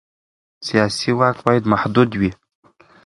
سیاسي واک باید محدود وي